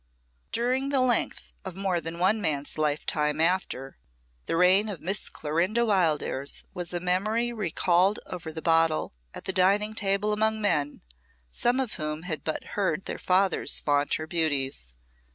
During the length of more than one man's lifetime after, the reign of Mistress Clorinda Wildairs was a memory recalled over the bottle at the dining table among men, some of whom had but heard their fathers vaunt her beauties.